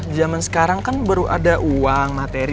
zaman sekarang kan baru ada uang materi